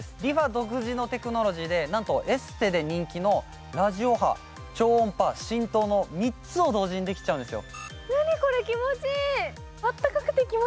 ＲｅＦａ独自のテクノロジーで、なんとエステで人気のラジオ波、超音波、浸透の３つを同時にできちゃうんですよ。